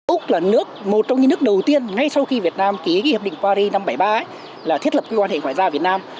úc là nước một trong những nước đầu tiên ngay sau khi việt nam ký hiệp định paris năm một nghìn chín trăm bảy mươi ba là thiết lập quan hệ ngoại giao việt nam